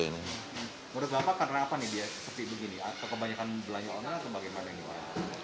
menurut bapak karena apa nih dia sepi begini kebanyakan belanja orang atau bagaimana